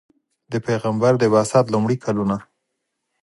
د پیغمبر د بعثت لومړي کلونه.